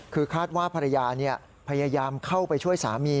คือคาดว่าภรรยาพยายามเข้าไปช่วยสามี